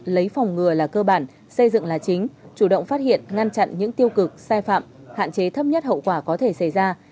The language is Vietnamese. lấy phòng ngừa là cơ bản xây dựng là chính chủ động phát hiện ngăn chặn những tiêu cực sai phạm hạn chế thấp nhất hậu quả có thể xảy ra